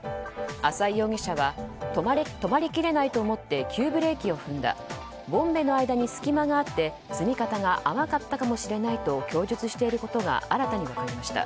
浅井容疑者は止まり切れないと思って急ブレーキを踏んだボンベの間に隙間があって積み方が甘かったかもしれないと供述していることが新たに分かりました。